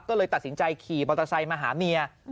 ก็เลยตัดสินใจขี่มอเตอร์ไซค์มาหาเมีย